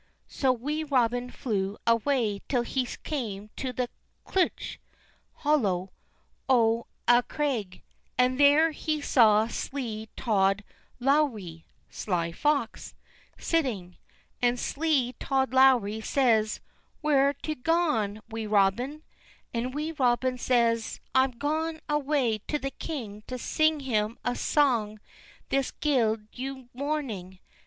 So Wee Robin flew awa' till he came to the cleuch (hollow) o' a craig, and there he saw slee Tod Lowrie (sly fox) sitting. And slee Tod Lowrie says: "Where's tu gaun, Wee Robin?" And Wee Robin says: "I'm gaun awa' to the king to sing him a sang this guid Yule morning."